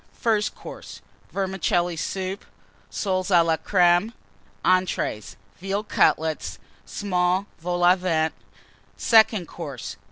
FIRST COURSE. Vermicelli Soup. Soles à la Crême. ENTREES. Veal Cutlets. Small Vols au Vent. SECOND COURSE.